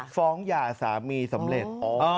หย่าสามีสำเร็จ